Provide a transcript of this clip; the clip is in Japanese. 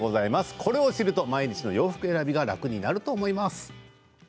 これを知ると毎日の洋服選びが楽になると思います。